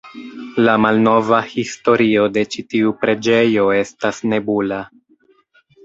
La malnova historio de ĉi tiu preĝejo estas nebula.